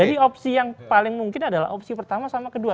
jadi opsi yang paling mungkin adalah opsi pertama sama kedua